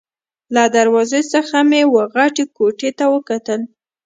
له دروازې څخه مې وه غټې کوټې ته وکتل.